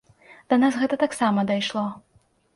Да нас гэта таксама дайшло.